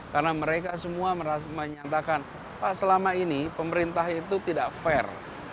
karena mereka semua menyatakan pak selama ini pemerintah itu tidak fair